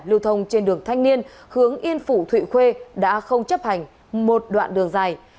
lưu thông trên đường thanh niên hướng yên phủ thụy khuê đã không chấp hành một đoạn đường dài